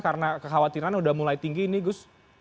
karena kekhawatiran sudah mulai tinggi ini gus